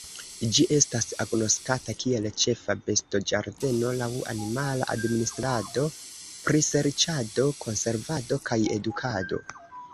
Ĝi estas agnoskata kiel ĉefa bestoĝardeno laŭ animala administrado, priserĉado, konservado, kaj edukado.